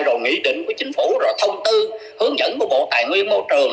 rồi nghị định của chính phủ rồi thông tư hướng dẫn của bộ tài nguyên môi trường